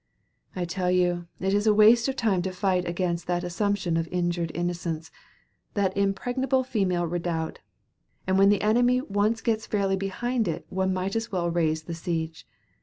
I tell you it is a waste of time to fight against that assumption of injured innocence that impregnable feminine redoubt and when the enemy once gets fairly behind it one might as well raise the siege.